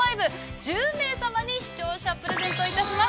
１０名様に視聴者プレゼントいたします。